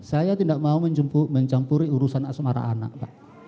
saya tidak mau mencampuri urusan asmara anak pak